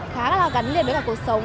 khá là gắn liền với cuộc sống